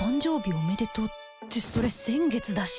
おめでとうってそれ先月だし